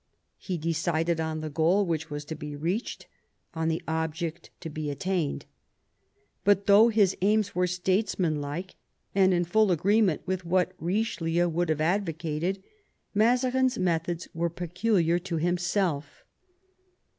He decided on the goal which was to be reached, on the object to be attained. But though his aims were statesmanlike, and in full agreement with what Kichelieu would have advocated, Mazarin's methods were peculiar to himself.